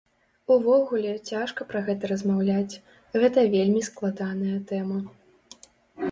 Увогуле, цяжка пра гэта размаўляць, гэта вельмі складаная тэма.